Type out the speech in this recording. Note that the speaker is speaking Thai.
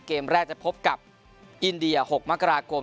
เกมแรกจะพบกับอินเดีย๖มกราคม